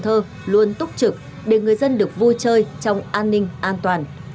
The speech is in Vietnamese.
và thành phố cần thơ luôn túc trực để người dân được vui chơi trong an ninh an toàn